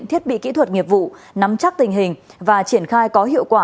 thiết bị kỹ thuật nghiệp vụ nắm chắc tình hình và triển khai có hiệu quả